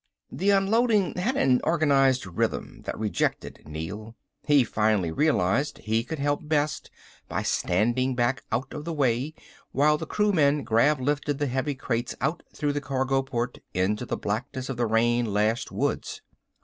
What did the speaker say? The unloading had an organized rhythm that rejected Neel. He finally realized he could help best by standing back out of the way while the crewmen grav lifted the heavy cases out through the cargo port, into the blackness of the rain lashed woods.